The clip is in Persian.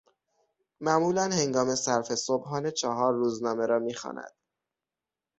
معمولا هنگام صرف صبحانه چهار روزنامه را میخواند